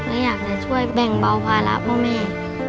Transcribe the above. และอยากจะช่วยแบ่งเบาภาระพ่อแม่